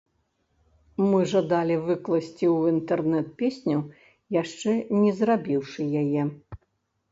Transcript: Мы жадалі выкласці ў інтэрнэт песню, яшчэ не зрабіўшы яе.